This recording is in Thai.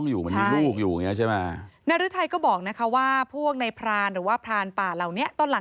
อยู่ในแบบจริงจริงตัวเมียเขาก็ไม่ล่าเผื่อว่ามันท้องอยู่